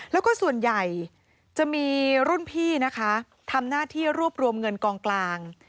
แล้วก็ส่วนใหญ่จะมีรุ่นพี่นะคะทำหน้าที่รวบรวมเงินกองกลาง